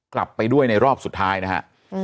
กลับไปด้วยในรอบสุดท้ายนะฮะ